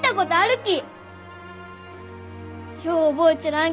よう覚えちょらん